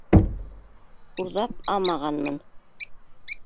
Урҙап амағанмын.